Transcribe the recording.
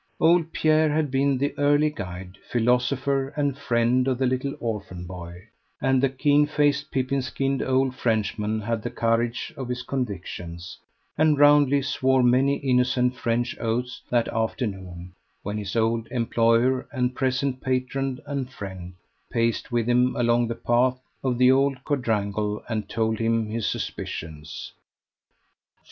Old Pierre had been the early guide, philosopher, and friend of the little orphan boy; and the keen faced, pippin skinned old Frenchman had the courage of his convictions, and roundly swore many innocent French oaths that afternoon, when his old employer, and present patron and friend, paced with him along the path of the old quadrangle and told him his suspicions.